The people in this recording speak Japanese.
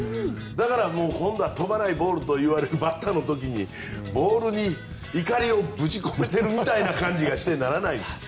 だから今度は飛ばないボールといわれるバッターの時にボールに怒りを込めてる気がしてならない。